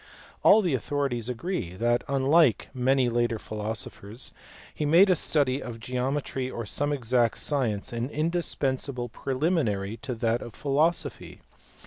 All the authorities agree that, unlike many later philosophers, he made a study of geometry or some exact science an indispensable preliminary to that of philosophy.